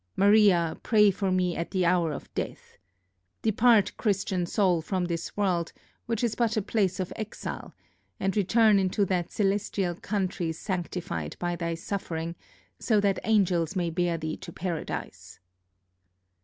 Maria, pray for me at the hour of death. Depart, Christian soul, from this world, which is but a place of exile, and return into that celestial country sanctified by thy suffering, so that angels may bear thee to Paradise!"...